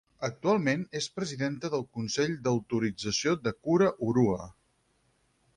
Actualment és presidenta del Consell d'Autorització de Kura Hourua.